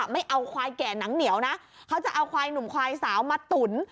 ไม่เอาควายแก่หนังเหนียวนะเขาจะเอาควายหนุ่มควายสาวมาตุ๋น